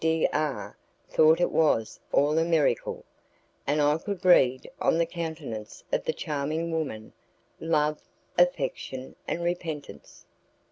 D R thought it was all a miracle, and I could read, on the countenance of the charming woman, love, affection, and repentance.